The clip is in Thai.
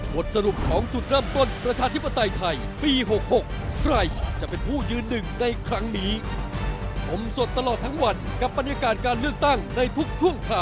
วันนี้ถ้าใช้สมการเดียวกันกับคุณตีรัฐจับกับเพื่อนไทยได้ป่ะ